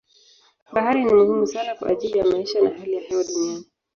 Bahari ni muhimu sana kwa ajili ya maisha na hali ya hewa duniani.